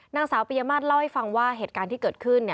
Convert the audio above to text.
นางสาวปียมาตรเล่าให้ฟังว่าเหตุการณ์ที่เกิดขึ้น